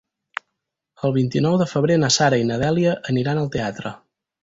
El vint-i-nou de febrer na Sara i na Dèlia aniran al teatre.